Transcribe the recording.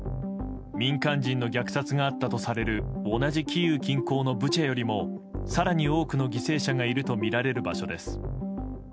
民間人の虐殺があったとされる同じキーウ近郊のブチャよりも更に多くの犠牲者がいるとされる場所です。